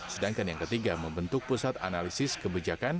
sedangkan yang ketiga membentuk pusat analisis kebijakan